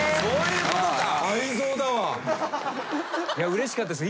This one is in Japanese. うれしかったです。